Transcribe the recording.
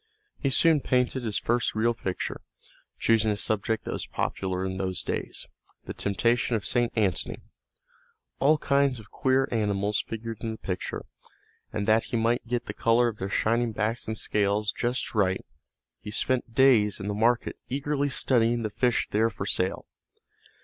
He soon painted his first real picture, choosing a subject that was popular in those days, the temptation of St. Antony. All kinds of queer animals figured in the picture, and that he might get the colors of their shining backs and scales just right he spent days in the market eagerly studying the fish there for sale.